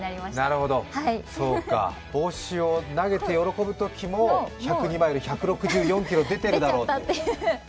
なるほど、帽子を投げて喜ぶときも、１０２マイル、１６４キロ出てるだろうという。